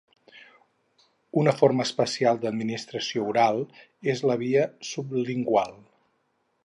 Una forma especial d'administració oral és la via sublingual.